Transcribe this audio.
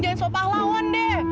jangan sok pahlawan deh